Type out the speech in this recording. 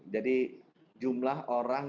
jadi jumlah orang